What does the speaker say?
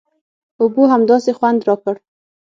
اوبو همداسې خوند راکړ.